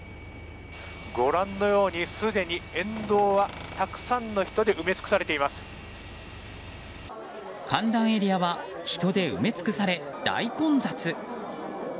ご覧のようにすでに沿道はたくさんの人で観覧エリアは人で埋め尽くされ、大混雑。